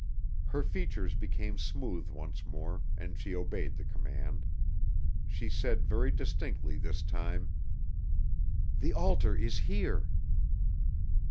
Her features became smooth once more and she obeyed the command. She said very distinctly this time. "The altar is here."